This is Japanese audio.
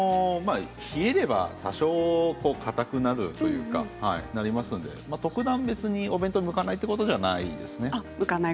冷えれば、多少かたくなるというか特段、別にお弁当に向かないということではないです。